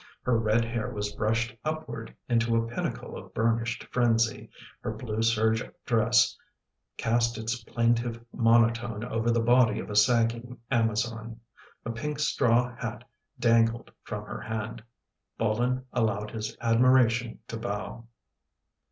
Her red hair was brushed upward into a pinnacle of burnished frenzy; her blue serge dress cast its plaintive monotone over the body of a sagging amazon ; a pink straw hat dangled from her hand. Bolin allowed his admiration to bow.